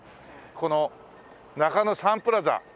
この中野サンプラザ。